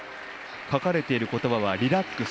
書かれていることばは「リラックス」。